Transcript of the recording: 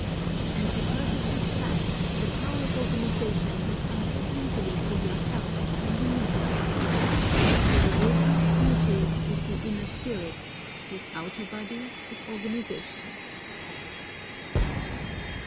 And, because of this fact, the power of organisation has come so easily to your help when you needed it. For the rhythm of beauty is the inner spirit, whose outer body is organisation.